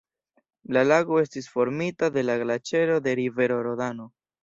La lago estis formita de la glaĉero de rivero Rodano.